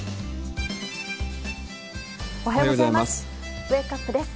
おはようございます。